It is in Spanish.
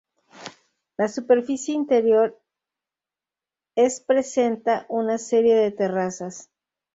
La superficie interior es presenta una serie de terrazas.